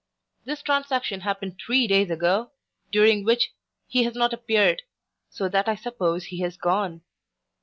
This transaction happened three days ago, during which he has not appeared, so that I suppose he has gone.